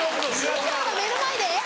師匠の目の前で。